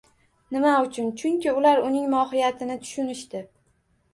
Nima uchun? Chunki ular uning mohiyatni tushunishdi.